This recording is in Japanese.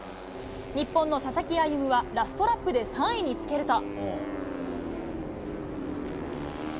日本の佐々木歩夢は、ラストラップで３位につけると。